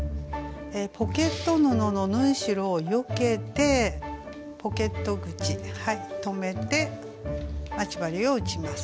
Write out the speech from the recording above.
ポケット布の縫い代をよけてポケット口留めて待ち針を打ちます。